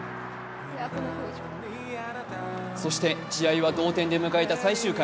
そして試合は同点で迎えた最終回。